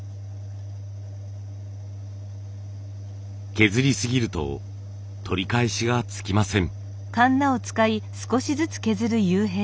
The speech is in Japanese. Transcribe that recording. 削りすぎると取り返しがつきません。